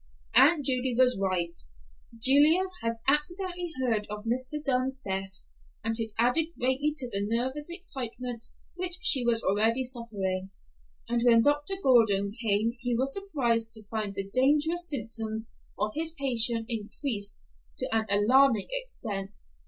Aunt Judy was right; Julia had accidently heard of Mr. Dunn's death, and it added greatly to the nervous excitement which she was already suffering, and when Dr. Gordon came he was surprised to find the dangerous symptoms of his patient increased to an alarming extent.